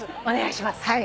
お願いします。